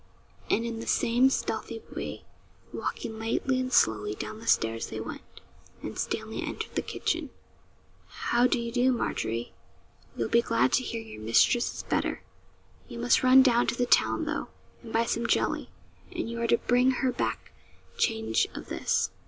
And in the same stealthy way, walking lightly and slowly, down the stairs they went, and Stanley entered the kitchen. 'How do you do, Margery? You'll be glad to hear your mistress is better. You must run down to the town, though, and buy some jelly, and you are to bring her back change of this.'